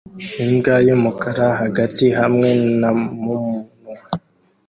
Imbwa yumukara hagati hamwe na mumunwa